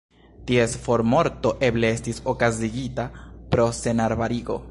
Ties formorto eble estis okazigita pro senarbarigo.